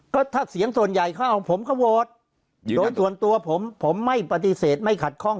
ก็ถ้าเสียงส่วนใหญ่เข้าของผมก็โหวตโดยส่วนตัวผมผมไม่ปฏิเสธไม่ขัดข้อง